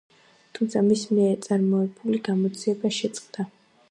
თუმცა მის მიერ წარმოებული გამოძიება შეწყდა.